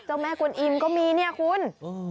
แม่กวนอิ่มก็มีเนี่ยคุณ